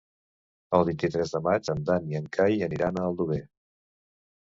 El vint-i-tres de maig en Dan i en Cai aniran a Aldover.